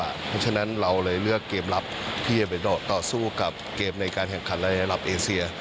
เพราะฉะนั้นเราเลยเลือกเกมรับที่จะไปต่อสู้กับเกมในการแข่งขันในระดับเอเซีย